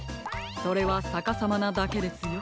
それはさかさまなだけですよ。